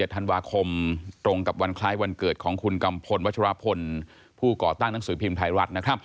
ธันวาคมตรงกับวันคล้ายวันเกิดของคุณกัมพลวัชรพลผู้ก่อตั้งหนังสือพิมพ์ไทยรัฐ